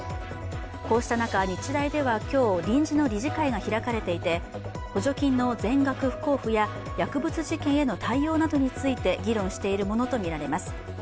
こうした中、日大では今日、臨時の理事会が開かれていて補助金の全額不交付や薬物事件への対応などについて議論しているものとみられます。